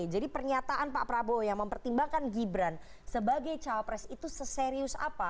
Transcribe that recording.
jadi pernyataan pak prabowo yang mempertimbangkan gibran sebagai cawapres itu seserius apa